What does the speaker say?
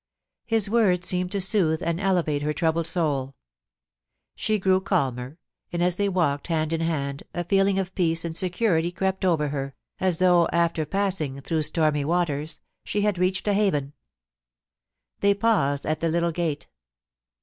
His words seemed to soothe and elevate her troubled souL She grew calmer, and, as they walked hand in hand, a feeling of peace and security crept over her, as though, after passing through stormy waters, she had reached a haven. They paused at the little gate.